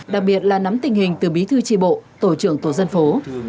đặc biệt là nắm tình hình từ bí thư tri bộ tổ trưởng tổ dân phố